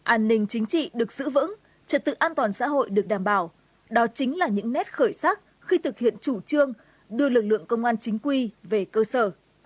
an ninh chính trị được giữ vững trật tự an toàn xã hội được đảm bảo đó chính là những nét khởi sắc khi thực hiện chủ trương đưa lực lượng công an chính quy về cơ sở